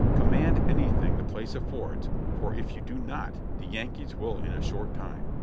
"Command anything the place affords, for if you do not, the Yankees will in a short time."